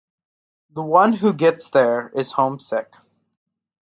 The one who gets there is homesick.